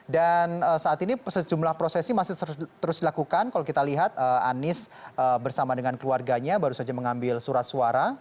dan saat ini sejumlah prosesi masih terus dilakukan kalau kita lihat anies bersama dengan keluarganya baru saja mengambil surat suara